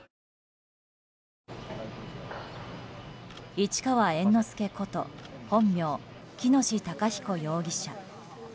市川猿之助こと本名・喜熨斗孝彦容疑者。